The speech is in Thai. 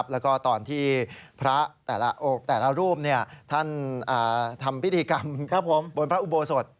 แล้วก็ตอนที่พระแต่ละรูปท่านทำพิธีกรรมบนพระอุโบสถ